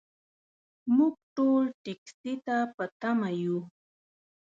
موږ ټول ټکسي ته په تمه یو .